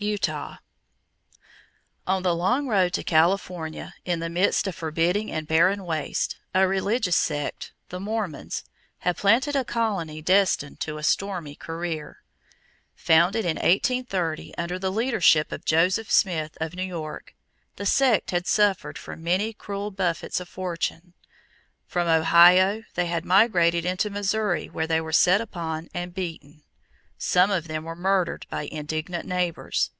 =Utah.= On the long road to California, in the midst of forbidding and barren wastes, a religious sect, the Mormons, had planted a colony destined to a stormy career. Founded in 1830 under the leadership of Joseph Smith of New York, the sect had suffered from many cruel buffets of fortune. From Ohio they had migrated into Missouri where they were set upon and beaten. Some of them were murdered by indignant neighbors.